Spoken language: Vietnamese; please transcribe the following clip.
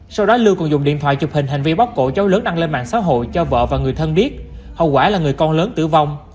sau đó lưu còn dùng điện thoại chụp hình hành vi bóc cổ cháu lớn đăng lên mạng xã hội cho vợ và người thân biết hậu quả là người con lớn tử vong